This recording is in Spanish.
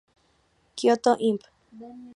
Kyoto Imp.